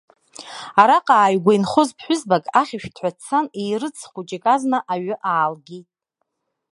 Араҟа ааигәа инхоз ԥҳәызбак, ахьышәҭҳәа дцан, еирыӡ хәыҷык азна аҩы аалгеит.